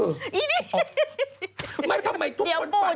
อีนี่ไม่ทำไมทุกคนฝันหมดเลย